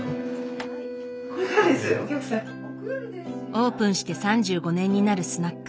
オープンして３５年になるスナック。